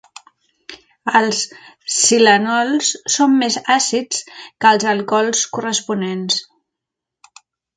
Els silanols són més àcids que els alcohols corresponents.